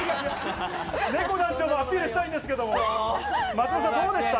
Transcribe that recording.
ねこ団長、アピールしたいんですけど、松丸さんどうですか？